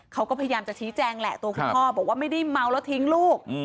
เขาก็พยายามจะชี้แจงแหละตัวคุณพ่อบอกว่าไม่ได้เมาแล้วทิ้งลูก